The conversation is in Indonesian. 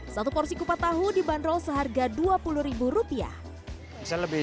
satu porsi kupat tahu dibanderol seharga dua puluh ribu rupiah